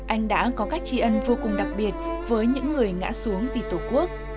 anh đã có cách tri ân vô cùng đặc biệt với những người ngã xuống vì tổ quốc